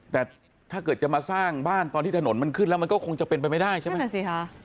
แต่ถ้าเกิดจะมาสร้างบ้านตอนที่ถนนมันขึ้นแล้วมันก็คงจะเป็นไปไม่ได้ใช่ไหมนั่นสิค่ะ